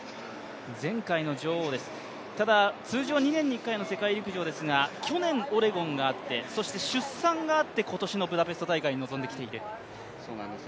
前回女王です、ただ通常２年に１回の世陸陸上ですが去年オレゴンがあってそして出産があって今年のブダペスト大会に臨んできています。